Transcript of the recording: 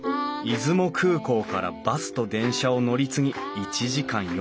出雲空港からバスと電車を乗り継ぎ１時間４５分。